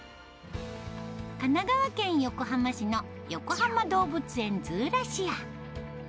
神奈川県横浜市のよこはま動物園ズーラシア。